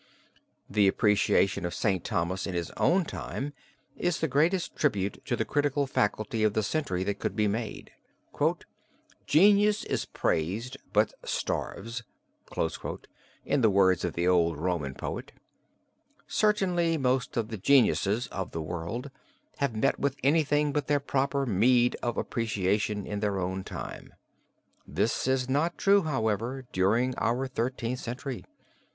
The appreciation of St. Thomas in his own time is the greatest tribute to the critical faculty of the century that could be made. "Genius is praised but starves," in the words of the old Roman poet. Certainly most of the geniuses of the world have met with anything but their proper meed of appreciation in their own time. This is not true, however, during our Thirteenth Century.